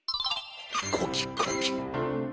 コキコキ。